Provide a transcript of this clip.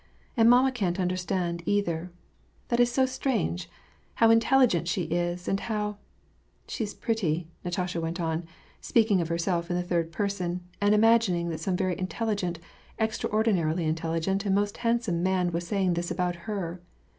And mamma can't understand either ! That is so strange ; how intelligent she is, and how — She is pretty," Natasha went on, speaking of herself in the third person, and imagining that some very intelligent, extraordinarily intelligent and most handsome man was saying this about her.